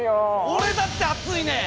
俺だって暑いねん！